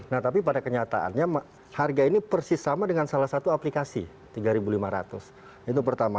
nah tapi pada kenyataannya harga ini persis sama dengan salah satu aplikasi rp tiga lima ratus itu pertama